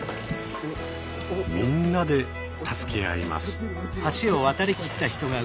みんなで助け合います。